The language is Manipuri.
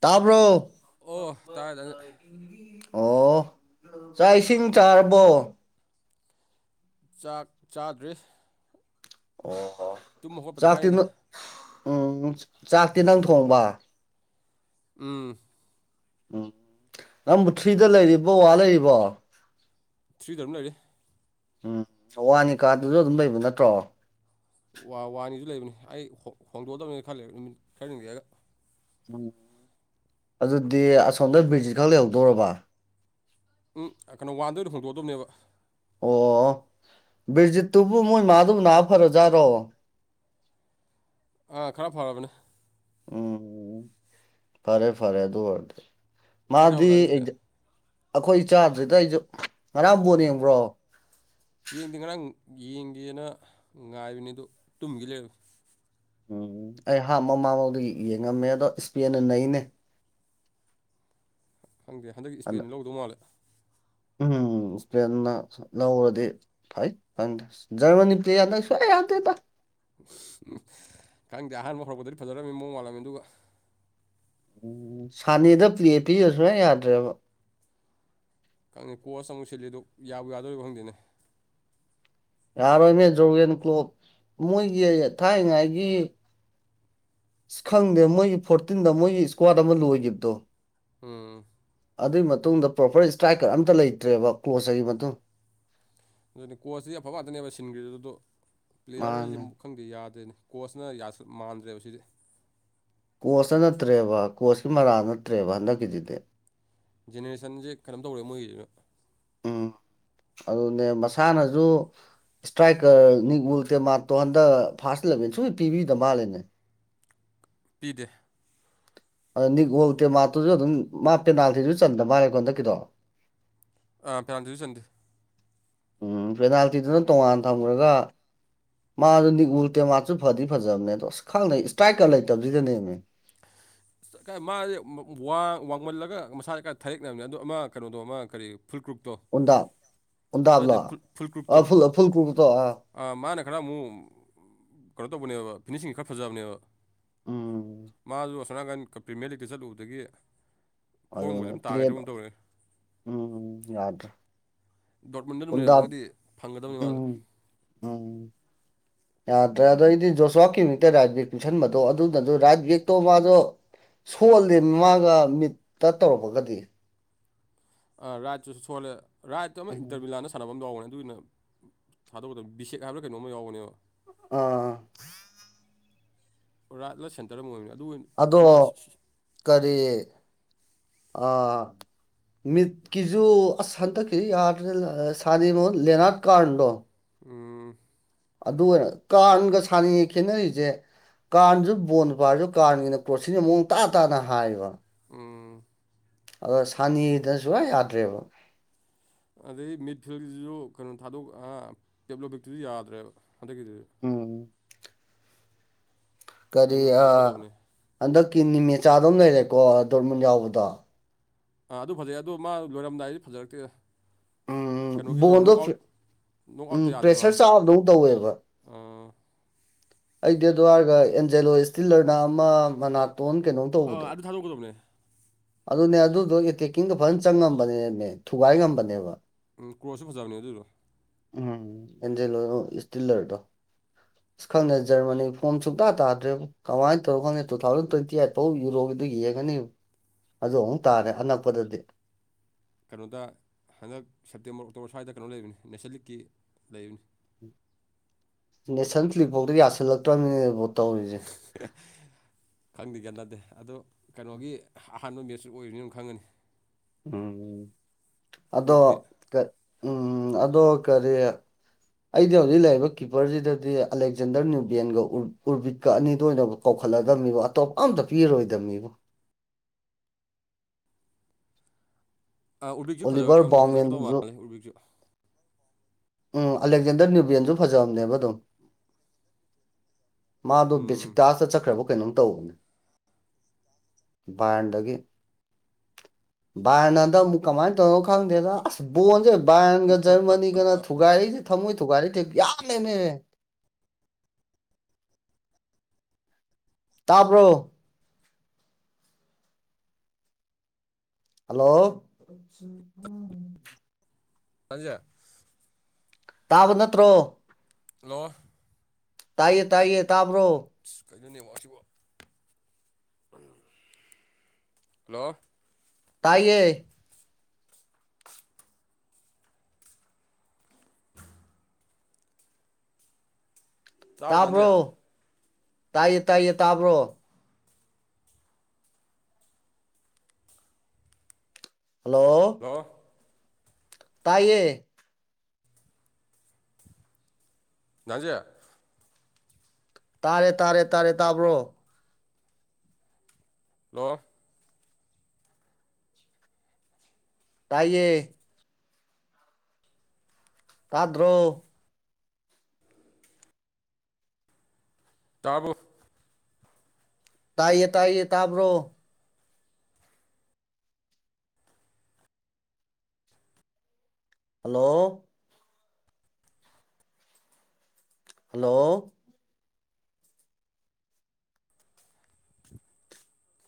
ꯇꯥꯕ꯭ꯔꯣ ꯑꯣ ꯇꯥꯔꯦꯗꯅ [unintelligible] ꯑꯣ ꯆꯥꯛ ꯏꯁꯤꯡ ꯆꯥꯔꯕꯣ ꯆꯥꯛ ꯆꯥꯗ꯭ꯔꯤ ꯑꯣ ꯇꯨꯝ ꯍꯧꯒꯠꯄꯗ ꯆꯥꯛꯇꯤ ꯉꯥꯏꯔꯤꯗ ꯅꯪ ꯎꯝ ꯆꯥꯛꯇꯤ ꯅꯪ ꯊꯣꯡꯕ ꯎꯝ ꯎꯝ ꯅꯪꯕꯨ ꯊ꯭ꯔꯤꯗ ꯂꯩꯔꯤꯕꯣ ꯑꯥ ꯂꯩꯔꯤꯕꯣ ꯊ꯭ꯔꯤꯗ ꯑꯗꯨꯝ ꯂꯩꯔꯤ ꯎꯝ ꯋꯥꯟꯒꯤ ꯀꯥꯗꯨꯗ ꯑꯗꯨꯝ ꯂꯩꯕ ꯅꯠꯇ꯭ꯔꯣ ꯋꯥ ꯋꯥꯟꯒꯤꯖꯨ ꯂꯩꯕꯅꯤ ꯑꯩ ꯍꯣꯡ ꯍꯣꯡꯗꯣꯛꯑꯗꯕꯅꯤ ꯈꯔꯂꯩ ꯅꯨꯃꯤꯠ ꯈꯔꯅꯤ ꯂꯩꯔꯒ ꯎꯝ ꯑꯗꯨꯗꯤ ꯑꯁꯣꯝꯗ ꯕ꯭ꯔꯤꯖꯤꯠ ꯈꯛ ꯂꯩꯍꯧꯗꯣꯔꯕ ꯎꯝ ꯑꯥ ꯀꯩꯅꯣ ꯋꯥꯟꯗ ꯑꯣꯏꯅ ꯍꯣꯡꯗꯣꯛꯑꯗꯕꯅꯦꯕ ꯑꯣ ꯕ꯭ꯔꯤꯖꯤꯠꯇꯨꯕꯨ ꯃꯣꯏ ꯃꯥꯗꯨꯕꯨ ꯅꯥ ꯐꯔꯖꯥꯠꯔꯣ ꯑꯥ ꯈꯔ ꯐꯔꯕꯅꯦ ꯎꯝ ꯐꯔꯦ ꯐꯔꯦ ꯑꯗꯨ ꯑꯣꯏꯔꯗꯤ ꯆꯥꯛ ꯃꯥꯗꯤ ꯆꯥꯕ ꯇꯥꯟꯁꯤꯗꯤ ꯑꯦꯛ ꯑꯈꯣꯏ ꯆꯥꯗ꯭ꯔꯤꯗ ꯑꯩꯖꯨ ꯉꯔꯥꯡ ꯕꯣꯟ ꯎꯝ ꯌꯦꯡꯕ꯭ꯔꯣ ꯌꯦꯡꯗꯦ ꯉꯔꯥꯡ ꯌꯦꯡꯒꯦꯅ ꯉꯥꯏꯕꯅꯤ ꯑꯗꯨ ꯇꯨꯝꯒꯤ ꯂꯩꯔꯝꯃꯦ ꯎꯝ ꯑꯩ ꯍꯥꯞ ꯃꯃꯥꯡꯕꯥꯎꯗꯒꯤ ꯌꯦꯡꯉꯝꯃꯦ ꯑꯗꯣ ꯏꯁꯄꯦꯟꯅ ꯅꯩꯅꯦ ꯈꯪꯗꯦ ꯍꯟꯗꯛꯀꯤ ꯑꯗꯨ ꯏꯁꯄꯦꯟꯅ ꯂꯧꯗꯧ ꯃꯥꯜꯂꯦ ꯎꯝ ꯏꯁꯄꯦꯟꯅ ꯂꯧꯔꯗꯤ ꯐꯩ [unintelligible] ꯖ꯭ꯔꯃꯅꯤ ꯄ꯭ꯂꯦ ꯍꯟꯗꯛ ꯁꯨꯛꯌꯥꯥ ꯌꯥꯗꯦꯗ [unintelligible] ꯈꯪꯗꯦ ꯑꯍꯥꯟꯕ ꯍꯧꯔꯛꯄꯗꯗꯤ ꯐꯖꯔꯝꯃꯤ ꯃꯑꯣꯡ ꯃꯥꯜꯂꯝꯃꯤ ꯗꯨꯒ ꯎꯝ ꯁꯥꯅꯦꯗ ꯄ꯭ꯂꯦ ꯄꯤꯔ ꯁꯨꯡꯌꯥ ꯌꯥꯗ꯭ꯔꯦꯕ ꯈꯪ [unintelligible] ꯀꯣꯁ ꯑꯃꯨꯛ ꯁꯤꯜꯂꯤꯗꯨ ꯌꯥꯕꯨ ꯌꯥꯗ‌ꯣꯔꯤꯕ ꯈꯪꯗꯦꯅꯦ ꯌꯥꯔꯣꯏꯅꯦ ꯖꯣꯒꯦꯟ ꯀ꯭ꯂꯣꯞ ꯃꯣꯏꯒꯤ ꯊꯥꯏꯉꯥꯏꯒꯤ ꯑꯁ ꯈꯪꯗꯦ ꯃꯣꯏꯒꯤ ꯐꯣꯔꯇꯤꯟꯗ ꯃꯣꯏꯒꯤ ꯏꯁꯀ꯭ꯋꯥꯗ ꯑꯃ ꯂꯣꯏꯒꯤꯕꯗꯣ ꯎꯝ ꯑꯗꯨꯏ ꯃꯇꯨꯡꯗ ꯄ꯭ꯔꯣꯄ꯭ꯔ ꯏꯁꯇ꯭ꯔꯥꯏꯛꯀꯔ ꯑꯝꯇ ꯂꯩꯇ꯭ꯔꯦꯕ ꯀ꯭ꯂꯣꯁ [unintelligible] ꯃꯇꯨꯡ ꯑꯗꯨꯅꯤ ꯀꯣꯁꯁꯤꯗꯤ ꯑꯐꯕ ꯉꯥꯛꯇꯅꯦꯕ ꯁꯤꯟꯒ꯭ꯔꯤꯗꯨ ꯗꯣ ꯄ꯭ꯂꯦꯌ꯭ꯔꯖꯤꯗꯤ ꯃꯥꯅꯦ ꯃꯨ ꯈꯪꯗꯦ ꯌꯥꯗꯦꯅꯦ ꯀꯣꯁꯅ ꯌꯥꯁꯨ ꯃꯥꯟꯗ꯭ꯔꯦꯕ ꯁꯤꯗꯤ ꯀꯣꯁꯅ ꯅꯠꯇ꯭ꯔꯦꯕ ꯀꯣꯁꯀꯤ ꯃꯔꯥꯜ ꯅꯠꯇ꯭ꯔꯦꯕ ꯍꯟꯗꯛꯀꯤꯗꯨꯗꯤ ꯖꯦꯅꯦꯔꯦꯁꯟꯖꯦ ꯀꯩꯅꯣꯝ ꯇꯧꯔꯦ ꯃꯣꯏꯒꯤꯖꯤꯅ ꯎꯝ ꯑꯗꯨꯅꯦ ꯃꯁꯥꯅꯁꯨ ꯏꯁꯇ꯭ꯔꯥꯏꯛꯀꯔ [unintelligible] ꯃꯥꯇꯣꯟꯗ ꯐꯥꯁꯠ ꯂꯦꯚꯦꯜ ꯁꯨꯛꯄꯤ ꯄꯤꯕꯤꯗ ꯃꯥꯜꯂꯦꯅꯦ ꯄꯤꯗꯦ ꯑꯗ ꯅꯤꯛꯒꯣꯜ ꯇꯦꯛꯃꯇꯨꯖꯨ ꯑꯗꯨꯝ ꯃꯥ ꯄꯦꯅꯥꯜꯇꯤꯁꯨ ꯆꯟꯗ ꯃꯥꯜꯂꯦ ꯀꯣ ꯍꯟꯗꯛꯀꯤꯗꯣ ꯑꯥ ꯄꯦꯅꯥꯜꯇꯤꯖꯨ ꯆꯟꯗꯦ ꯎꯝ ꯄꯦꯅꯥꯜꯇꯤꯗꯨꯅ ꯇꯣꯉꯥꯟ ꯊꯝꯒ꯭ꯔꯒ ꯃꯥꯖꯨ ꯅꯤꯛꯎꯜ ꯇꯦꯃꯥꯁꯨ ꯐꯗꯤ ꯐꯖꯕꯅꯦ ꯑꯗꯣ ꯑꯁ ꯈꯪꯗꯦ ꯏꯁꯇ꯭ꯔꯥꯏꯛꯀ꯭ꯔ ꯂꯩꯇꯕꯖꯤꯗꯅꯦꯃꯦ ꯑꯁ ꯀꯥꯏ ꯃꯖꯦ ꯃ ꯋꯥꯡ ꯋꯥꯡꯃꯜꯂꯒ ꯃꯁꯥ ꯈꯔ ꯊꯔꯦꯛꯅꯕꯅꯦ ꯑꯗꯣ ꯑꯃ ꯀꯩꯅꯣꯗꯣ ꯑꯃ ꯀꯔꯤ ꯐꯨꯜꯀ꯭ꯔꯨꯞꯇꯣ ꯎꯟꯗꯥꯞ ꯅꯠꯇꯦ ꯎꯟꯗꯥꯞꯂꯣ ꯐꯨ ꯑ ꯐꯨꯜꯀ꯭ꯔꯨꯞꯇꯣ ꯐꯨꯜ ꯐꯨꯜ ꯀ꯭ꯔꯨꯞꯇꯣ ꯑ ꯑꯥ ꯃꯥꯅ ꯈꯔ ꯑꯃꯨꯛ ꯀꯩꯅꯣ ꯇꯧꯕꯅꯦꯕ ꯐꯤꯅꯤꯁꯤꯡ ꯈꯔ ꯐꯖꯕꯅꯦꯕ ꯎꯝ ꯃꯖꯨ ꯑꯁꯣꯟꯅꯀꯟ ꯀ ꯄ꯭ꯔꯤꯃꯤꯌꯔ ꯂꯤꯛꯇ ꯆꯠꯂꯨꯕꯗꯒꯤ ꯐꯣꯔꯝꯒ ꯑꯗꯨꯅ‌ꯦ ꯑꯗꯨꯝ ꯇꯥꯒꯗ꯭ꯔ ꯑꯗꯨꯝ ꯄ꯭ꯂꯦꯗ‌ꯣ ꯇꯧꯔꯦ ꯎꯝ ꯌꯥꯗ꯭ꯔꯦ ꯗꯥꯎꯠ ꯃꯨꯟꯗꯨꯅ [unintelligible] ꯎꯟꯗꯥꯞ ꯂꯝꯃꯒꯗꯤ ꯐꯪꯒꯗꯕ ꯎꯝ ꯎꯝ ꯌꯥꯗ꯭ꯔꯦ ꯑꯗꯩꯗꯤ ꯖꯣꯁꯋꯥꯀꯤ [unintelligible] ꯔꯥꯏꯠ ꯕꯦꯒ ꯄꯤꯡꯁꯟꯕꯗꯣ ꯑꯗꯨꯅꯖꯨ ꯔꯥꯏꯠ ꯕꯦꯒꯇꯣ ꯃꯥꯗꯣ ꯁꯣꯜꯂꯦ ꯃꯥꯒ ꯃꯤꯠꯇ ꯇꯧꯔꯛꯄꯒꯗꯤ ꯑꯥ ꯔꯥꯏꯠꯇꯨꯁꯨ ꯁꯣꯜꯂꯦ ꯔꯥꯏꯠꯇꯨ ꯑꯃ ꯎꯝ ꯏꯟꯇ꯭ꯔꯚꯤꯌꯨ ꯂꯥꯟꯅꯁ ꯁꯥꯟꯅꯕꯝ ꯌꯥꯎꯕꯅꯦ ꯑꯗꯨꯅ ꯎꯝ ꯊꯥꯗꯣꯛꯀꯗꯕ ꯕꯤꯁꯦꯛ ꯍꯥꯏꯕ꯭ꯔꯥ ꯀꯩꯅꯣꯝꯃ ꯌꯥꯎꯕꯅꯦꯕ ꯑꯥ [unintelligible] ꯔꯥꯠꯂ ꯁꯦꯟꯇꯔ ꯔ ꯑꯃ ꯑꯣꯏꯕꯅ‌ꯦ ꯑꯗꯨ ꯑꯣꯏꯟ ꯑꯗꯣ ꯀꯔꯤ ꯑꯥ ꯃꯤꯗꯀꯤꯖꯨ ꯑꯁ ꯍꯟꯗꯛꯀꯤꯗꯤ ꯌꯥꯗ꯭ꯔꯦ [unintelligible] ꯗꯣ ꯎꯝ ꯑꯗꯨ ꯀꯥꯔꯟꯒ [unintelligible] ꯈꯦꯠꯅꯔꯤꯖꯦ ꯀꯥꯟꯖꯨ ꯕꯣꯟꯅ ꯄꯜꯂꯤꯗꯣ ꯀꯥꯟꯒꯤꯅ ꯀ꯭ꯔꯣꯠꯁꯤꯟ ꯃꯑꯣꯡ ꯇ ꯇꯥꯅ ꯍꯥꯏꯕ ꯎꯝ ꯑꯗꯣ ꯁꯥꯟꯅꯤꯗ ꯁꯨꯌꯥ ꯌꯥꯗ꯭ꯔꯦꯕ ꯑꯗꯩ ꯃꯤꯠ ꯐꯤꯜꯒꯤꯖꯤꯖꯨ ꯀꯩꯅꯣ ꯊꯗꯣꯛ ꯑꯥ ꯄꯦꯞꯂꯣꯛ [unintelligible] ꯌꯥꯗ꯭ꯔꯦꯕ ꯍꯟꯗꯛꯀꯤꯗꯨ ꯎꯝ ꯀꯔꯤ ꯀꯩꯅꯣ ꯑꯥ ꯊꯥꯗꯣꯛꯀꯗꯕꯅꯤ ꯍꯟꯗꯛꯀꯤ ꯅꯤꯃꯦꯆꯥꯗꯨꯝ ꯂꯩꯔꯦꯀꯣ ꯗꯣꯔꯃꯟ ꯌꯥꯎꯕꯗꯣ ꯑꯥ ꯑꯗꯨ ꯐꯖꯩ ꯑꯗꯣ ꯃꯥ ꯂꯣꯏꯔꯝꯗꯥꯏꯗꯤ ꯐꯖꯔꯛꯇꯦ ꯎꯝ ꯀꯩꯅꯣꯒꯤꯗꯣ ꯅꯣꯛ ꯕꯣꯟꯗꯣ ꯑꯥꯎꯠ [unintelligible] ꯅꯣꯛ ꯑꯥꯎꯠꯇ ꯎꯝ ꯌꯥꯗꯦ ꯃꯥ ꯄ꯭ꯔꯦꯁꯔ ꯆꯥꯕꯗꯧ ꯇꯧꯋꯦꯕ ꯑꯥ ꯑꯩꯗꯤ ꯑꯗꯨ ꯍꯥꯏꯔꯒ ꯑꯦꯟꯖꯦꯂꯣ ꯏꯁꯇꯤꯜꯂꯔꯅ ꯑꯃ ꯃꯅꯥꯇꯣꯟ ꯀꯩꯅꯣꯝ ꯑꯥ ꯇꯧꯕꯗꯣ ꯑꯗꯨ ꯊꯥꯗꯣꯛꯀꯗꯕꯅꯦ ꯑꯗꯨꯅꯦ ꯑꯗꯨꯗꯣ ꯑꯦꯇꯦꯛꯀꯤꯡꯒ ꯐꯖꯟ ꯆꯪꯉꯝꯕꯅꯦꯃꯦ ꯊꯨꯒꯥꯏ ꯉꯝꯕꯅꯦꯕ ꯎꯝ ꯀ꯭ꯔꯣꯁꯁꯨ ꯐꯖꯕꯅꯦ ꯑꯗꯨꯗꯣ ꯎꯝ ꯑꯦꯟꯖꯜꯂꯣꯔꯣ ꯏꯁꯇꯤꯜꯂꯔꯗꯣ ꯈꯪꯉꯦ ꯖꯔꯃꯅꯤ ꯐꯣꯝ ꯁꯨꯡꯇ ꯇꯗ꯭ꯔꯦꯕꯣ ꯀꯃꯥꯏꯅ ꯇꯧꯈꯪꯗꯦ ꯇꯨꯊꯥꯎꯖꯟ ꯇ꯭ꯋꯦꯟꯇꯤ ꯑꯥꯏꯠ ꯐꯥꯎ ꯌꯨꯔꯣ ꯑꯗꯨ ꯌꯦꯡꯉꯅꯤ ꯑꯗꯨ ꯑꯃꯨꯛ ꯇꯔꯦ ꯑꯅꯛꯄꯗꯗꯤ ꯀꯩꯅꯣꯗ ꯍꯟꯗꯛ ꯁꯦꯞꯇꯦꯝꯕꯔ ꯑꯣꯛꯇꯣꯕꯔ ꯁ꯭ꯋꯥꯏꯗ ꯀꯩꯅꯣ ꯂꯩꯕꯅꯤ ꯅꯦꯁꯂꯤꯛꯀꯤ ꯂꯩꯕꯅꯤ ꯅꯦꯁꯟ ꯐ꯭ꯂꯤꯞꯐꯥꯎꯗ ꯌꯥꯁꯜꯂꯛꯇ꯭ꯔꯃꯤꯅꯦ ꯏꯕꯣ ꯇꯧꯔꯤꯖꯦ [unintelligible] ꯈꯪꯗꯦ ꯒ꯭ꯌꯥꯟ ꯇꯗꯦ ꯑꯗꯣ ꯀꯩꯅꯣꯒꯤ ꯑꯍꯥꯟꯕ ꯃꯦꯠꯁꯨ ꯑꯣꯏꯕꯅꯤꯅ ꯑꯗꯨꯝ ꯈꯪꯉꯅꯤ ꯎꯝ ꯑꯗꯣ ꯀ꯭ꯂꯣꯞꯀꯤ ꯀ ꯎꯝ ꯑꯗꯣ ꯀꯔꯤ ꯑꯩꯗꯤ ꯍꯧꯖꯤꯛ ꯂꯩꯔꯤꯕ ꯀꯤꯞꯄꯔꯖꯤꯗꯗꯤ ꯑꯂꯦꯛꯖꯦꯟꯗꯔ ꯅꯤꯔꯕꯦꯟꯒ ꯎꯔꯕꯤꯠꯀ ꯑꯅꯤꯗꯣ ꯑꯣꯏꯅꯕꯨ ꯀꯧꯈꯠꯂꯛꯑꯗꯕꯅꯤꯕꯣ ꯑꯇꯣꯞꯄ ꯑꯝꯇ ꯄꯤꯔꯣꯏꯗꯕꯅꯤꯕꯣ ꯑꯥ ꯎꯔꯕꯤꯛꯁꯨ ꯐꯖ ꯑꯣꯂꯤꯚꯔ ꯑꯗꯨꯝ ꯐꯖꯀꯗꯧ ꯕꯥꯎꯃꯦꯟꯗꯨꯁꯨ ꯃꯥꯜꯂꯦ ꯎꯔꯕꯤꯛꯁꯨ ꯎꯝ ꯑꯂꯦꯛꯖꯦꯟꯗꯔ ꯅ꯭ꯌꯨꯕꯤꯟꯖꯨ ꯐꯖꯕꯅꯦꯕ ꯑꯗꯨꯝ ꯃꯗꯣ ꯎꯝ ꯕꯦꯁꯤꯇꯥꯖꯇ ꯆꯠꯈ꯭ꯔꯕ ꯀꯩꯅꯣꯝ ꯇꯧꯕꯅꯦ ꯕꯥꯔꯟꯗꯒꯤ ꯕꯥꯔꯅꯟꯗ ꯗꯛ ꯑꯃꯨꯛ ꯀꯃꯥꯏꯅ ꯇꯧꯗꯧ ꯈꯪꯗꯦꯗ ꯑꯁ ꯕꯣꯟꯖꯦ ꯕꯥꯔꯟꯒ ꯖꯔꯃꯅꯤꯒꯅ ꯊꯨꯒꯥꯔꯤꯖꯦ ꯊꯝꯃꯣꯏ ꯊꯨꯒꯥꯔꯤꯖꯦ ꯌꯥꯝꯃꯦꯅꯦ ꯇꯕ꯭ꯔꯣ ꯍꯜꯂꯣ [unintelligible] ꯇꯥꯕ ꯅꯠꯇ꯭ꯔꯣ ꯍꯜꯂꯣ ꯇꯥꯏꯌꯦ ꯇꯥꯏꯌꯦ ꯇꯥꯕ꯭ꯔꯣ ꯀꯩꯅꯣ ꯅꯦꯠꯋꯥꯛꯁꯤꯕꯣ ꯍꯜꯂꯣ ꯇꯥꯏꯌꯦ ꯇꯥꯕ꯭ꯔꯣ ꯇꯥꯏꯌꯦ ꯇꯥꯏꯌꯦ ꯇꯥꯕ꯭ꯔꯣ ꯍꯜꯂꯣ ꯂꫭ ꯇꯥꯏꯌꯦ ꯗꯥ ꯖꯦ ꯇꯥꯔꯦ ꯇꯥꯔꯦ ꯇꯥꯔꯦ ꯇꯥꯕ꯭ꯔꯣ ꯍꯜꯂꯣ ꯇꯏꯌꯦ ꯇꯗ꯭ꯔꯣ ꯇꯔꯕꯣ ꯇꯥꯏꯌꯦ ꯇꯥꯏꯌꯦ ꯇꯕ꯭ꯔꯣ ꯍꯜꯂꯣ ꯍꯜꯂꯣ